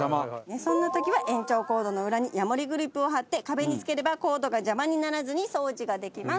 そんな時は延長コードの裏にヤモリグリップを貼って壁に付ければコードが邪魔にならずに掃除ができます。